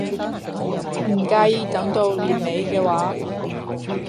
唔介意等到年尾嘅話